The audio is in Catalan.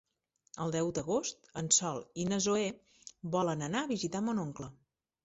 El deu d'agost en Sol i na Zoè volen anar a visitar mon oncle.